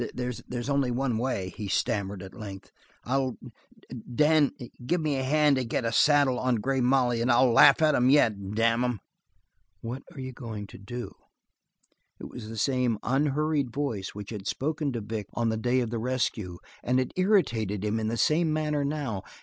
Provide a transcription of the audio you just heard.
"There's only one way," he stammered at length. "I'll Dan, give me a hand to get a saddle on Grey Molly and I'll laugh at 'em yet. Damn 'em!" "What you goin' to do?" It was the same unhurried voice which had spoken to Vic on the day of the rescue and it irritated him in the same manner now.